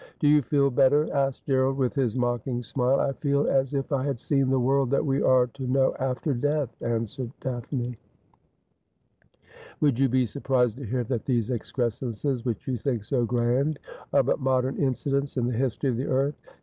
' Do yon feel better ?' asked Gerald, with his mocking smile. ' 1 feel as if I had seen the world that we are to know after death,' answered Daphne. 288 Asphodel. ' Would you be surprised to hear that these excrescences, which you think so grand, are but modern incidents in the history of the earth